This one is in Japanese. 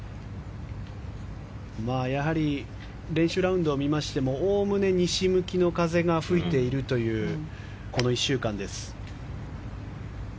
やはり練習ラウンドを見ましてもおおむね西向きの風が吹いているというこの１週間です。